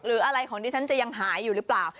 หรืออะไรของดิฉันจะยังหายอยู่หรือเปล่า